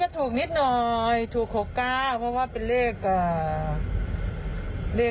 ก็ถูกรัตเตอรี่๖๙